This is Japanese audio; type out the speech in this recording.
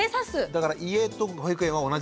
だから家と保育園は同じものを使う。